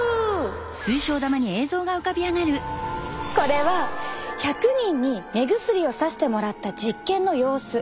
これは１００人に目薬をさしてもらった実験の様子。